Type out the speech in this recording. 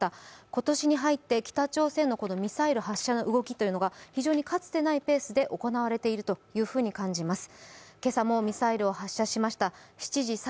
今年に入って北朝鮮のミサイル発射の動きというのが非常にかつてないペースで行われていると感じます。